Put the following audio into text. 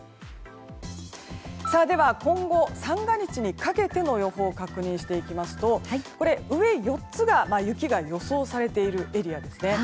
では今後三が日にかけての予報を確認していきますと上４つが雪が予想されているエリアです。